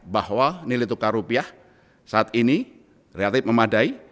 bahwa nilai tukar rupiah saat ini relatif memadai